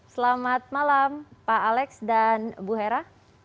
selamat malam pak alex dan bu hera